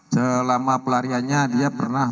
selama pelariannya dia pernah